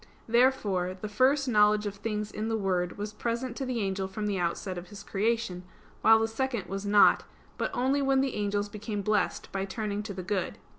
Therefore the first knowledge of things in the Word was present to the angel from the outset of his creation; while the second was not, but only when the angels became blessed by turning to the good.